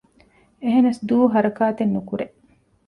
އެހެނަސް ދޫ ހަރަކާތެއްނުކުރޭ